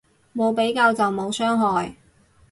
冇比較就冇傷害